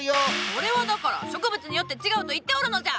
それはだから植物によって違うと言っておるのじゃ！